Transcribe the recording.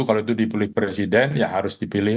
kalau itu dipilih presiden ya harus dipilih